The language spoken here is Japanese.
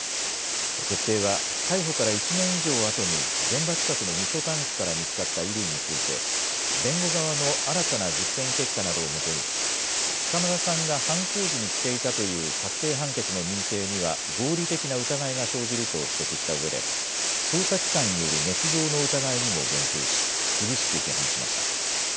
決定は逮捕から１年以上あとに、現場近くのみそタンクから見つかった衣類について、弁護側の新たな実験結果などをもとに、袴田さんが犯行時に着ていたという確定判決の認定には合理的な疑いが生じると指摘したうえで、捜査機関によるねつ造の疑いにも言及し、厳しく批判しました。